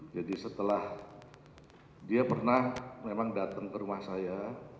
jadi setelah dia pernah memang datang ke rumah saya